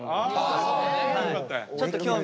ちょっと興味。